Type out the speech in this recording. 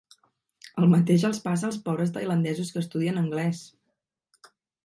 El mateix els passa als pobres tailandesos que estudien anglès.